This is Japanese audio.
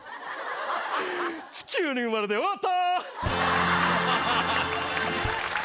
地球に生まれてよかった！